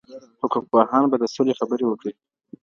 حقوقپوهان به د سولي خبري وکړي.